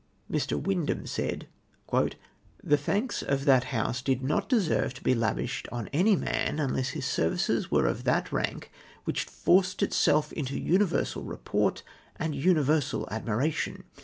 Mr. Windham said :—" The thanks of that House did not deserve to be lavished on any man, unless his services were of that rank which forced itself into universal report and universal admiration.